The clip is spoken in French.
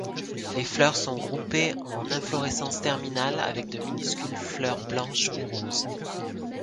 Les fleurs sont groupées en inflorescences terminales avec de minuscules fleurs blanches ou roses.